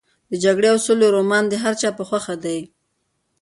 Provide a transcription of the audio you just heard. د جګړې او سولې رومان د هر چا په خوښه دی.